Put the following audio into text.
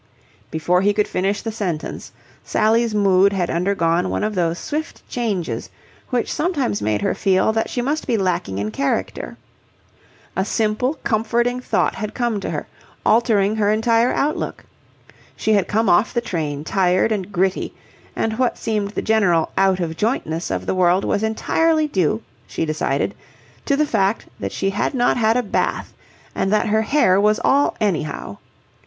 Before he could finish the sentence, Sally's mood had undergone one of those swift changes which sometimes made her feel that she must be lacking in character. A simple, comforting thought had come to her, altering her entire outlook. She had come off the train tired and gritty, and what seemed the general out of jointness of the world was entirely due, she decided, to the fact that she had not had a bath and that her hair was all anyhow.